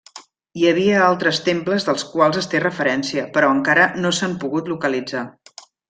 Hi havia altres temples dels quals es té referència, però encara no s'han pogut localitzar.